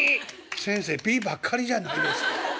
「先生ぴばっかりじゃないですか。